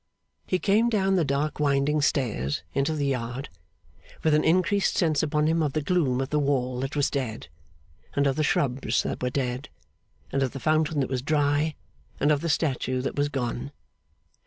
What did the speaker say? He came down the dark winding stairs into the yard with an increased sense upon him of the gloom of the wall that was dead, and of the shrubs that were dead, and of the fountain that was dry, and of the statue that was gone.